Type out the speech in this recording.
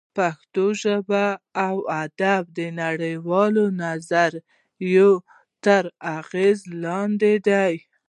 پښتو ژبه او ادب د نړۍ والو نظریو تر اغېز لاندې دی